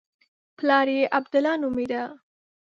پلار یې عبدالله نومېده.